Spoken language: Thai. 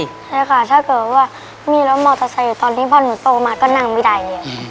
ใช่ค่ะถ้าเกิดว่ามีรถมอเตอร์ไซค์อยู่ตอนนี้พอหนูโตมาก็นั่งไม่ได้แล้ว